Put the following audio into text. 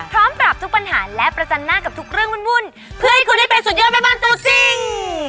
พร้อมปรับทุกปัญหาและประจันหน้ากับทุกเรื่องวุ่นเพื่อให้คุณได้เป็นสุดยอดแม่บ้านตัวจริง